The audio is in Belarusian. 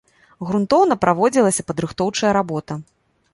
Грунтоўна праводзілася падрыхтоўчая работа.